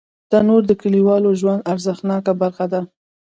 تنور د کلیوالو ژوند ارزښتناکه برخه ده